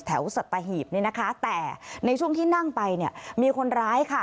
สัตหีบเนี่ยนะคะแต่ในช่วงที่นั่งไปเนี่ยมีคนร้ายค่ะ